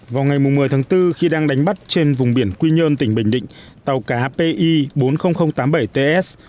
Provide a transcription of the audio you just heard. vào ngày một mươi tháng bốn khi đang đánh bắt trên vùng biển quy nhơn tỉnh bình định tàu cá pi bốn mươi nghìn tám mươi bảy ts